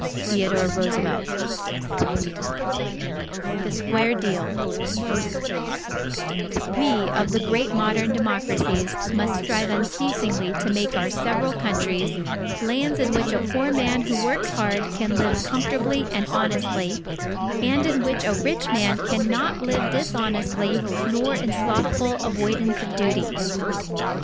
_ THEODORE ROOSEVELT THE SQUARE DEAL _We of the great modern democracies, must strive unceasingly to make our several Countries, lands in which a poor man who works hard can live comfortably and honestly, and in which a rich man cannot live dishonestly nor in slothful avoidance of duty.